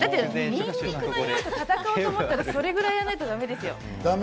にんにくのにおいと戦おうと思ったら、それぐらいやらなきゃだめですよ。